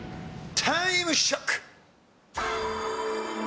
タイムショック！